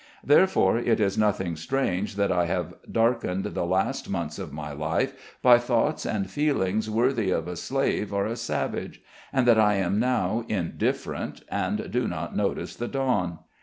Therefore, it is nothing strange that I have darkened the last months of my life by thoughts and feelings worthy of a slave or a savage, and that I am now indifferent and do not notice the dawn.